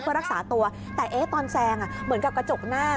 เพื่อรักษาตัวแต่ตอนแซงเหมือนกับกระจกหน้า